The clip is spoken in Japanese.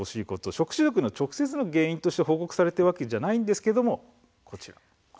食中毒の直接の原因として報告されているわけではないんですがこちらです。